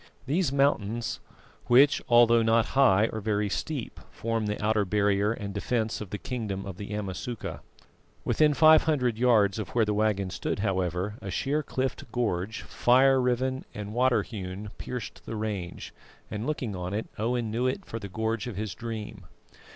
These mountains, which although not high are very steep, form the outer barrier and defence of the kingdom of the Amasuka. Within five hundred yards of where the waggon stood, however, a sheer cliffed gorge, fire riven and water hewn, pierced the range, and looking on it, Owen knew it for the gorge of his dream.